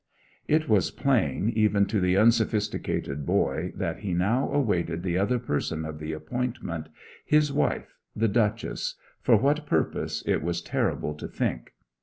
It was plain, even to the unsophisticated boy, that he now awaited the other person of the appointment his wife, the Duchess for what purpose it was terrible to think.